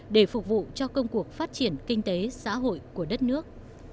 để phục vụ cho công cuộc phát triển kinh tế xã hội của đất nước